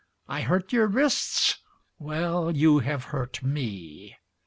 I hurt your wrists? Well, you have hurt me.